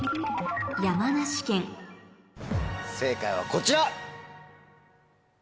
正解はこちら！